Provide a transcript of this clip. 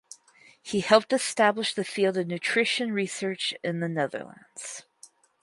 He helped establish the field of nutrition research in the Netherlands.